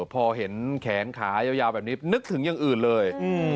พอเห็นแขนขายาวแบบนี้นึกถึงอย่างอื่นเลย